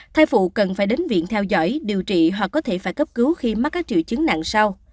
thai phụ cần phải đến viện theo dõi điều trị hoặc có thể phải cấp cứu khi mắc các triệu chứng nặng sau